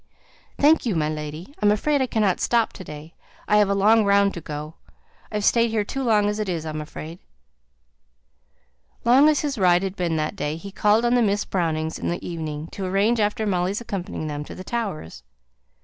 "Thank you, my lady. I'm afraid I cannot stop to day. I have a long round to go; I've stayed here too long as it is, I'm afraid." Long as his ride had been that day, he called on the Miss Brownings in the evening, to arrange about Molly's accompanying them to the Towers.